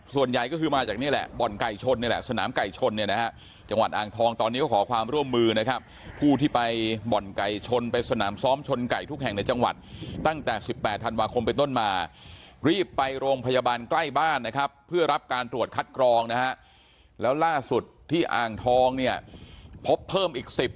ส่วนใหญ่ก็คือมาจากนี่แหละบ่อนไก่ชนนี่แหละสนามไก่ชนเนี่ยนะฮะจังหวัดอ่างทองตอนนี้ก็ขอความร่วมมือนะครับผู้ที่ไปบ่อนไก่ชนไปสนามซ้อมชนไก่ทุกแห่งในจังหวัดตั้งแต่๑๘ธันวาคมไปต้นมารีบไปโรงพยาบาลใกล้บ้านนะครับเพื่อรับการตรวจคัดกรองนะฮะแล้วล่าสุดที่อ่างทองเนี่ยพบเพิ่มอีก๑๐